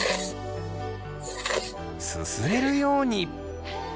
すすれるように！